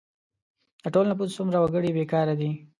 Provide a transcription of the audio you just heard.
د ټول نفوس څومره وګړي بې کاره دي؟